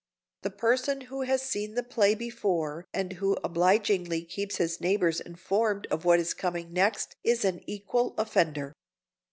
The person who has seen the play before and who obligingly keeps his neighbors informed of what is coming next is an equal offender.